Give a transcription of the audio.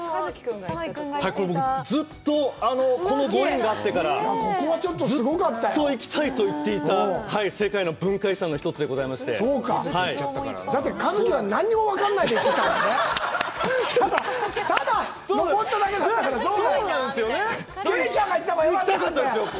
はいこれ僕ずっとこのご縁があってからずっと行きたいと言っていた世界の文化遺産の１つでございましてそうかだって一希は何にも分かんないで行ってたもんねただただ上っただけだったからそうなんですよね行きたかったですよ